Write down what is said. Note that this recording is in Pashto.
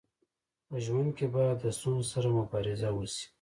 په ژوند کي باید د ستونزو سره مبارزه وسي.